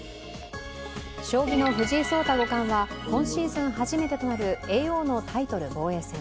将棋の藤井聡太五冠は今シーズン初めてとなる叡王のタイトル防衛戦。